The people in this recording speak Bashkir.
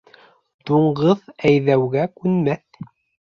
Дуңғыҙ әйҙәүгә күнмәҫ.